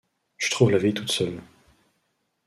Je trouv' la vieille tout' seule.